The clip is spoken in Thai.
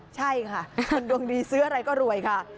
ใช่ค่ะคนดวงดีซื้ออะไรก็รวยค่ะ